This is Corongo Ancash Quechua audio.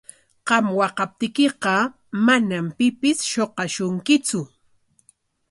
Qam waqaptiykiqa manam pipis shuqashunkitsu.